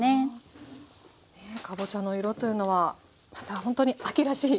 かぼちゃの色というのはまたほんとに秋らしい。